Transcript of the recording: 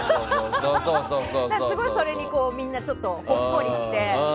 すごいそれにみんなほっこりして。